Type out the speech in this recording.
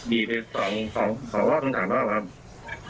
บีบสองรอบถึงสามรอบครับ